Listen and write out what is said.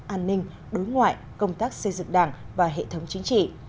an ninh đối ngoại công tác xây dựng đảng và hệ thống chính trị